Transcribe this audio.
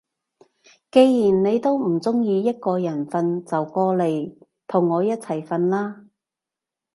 既然你都唔中意一個人瞓，就過嚟同我一齊瞓啦